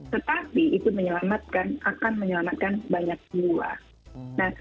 tetapi itu menyelamatkan akan pemukiman